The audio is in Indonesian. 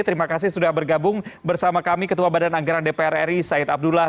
terima kasih sudah bergabung bersama kami ketua badan anggaran dpr ri said abdullah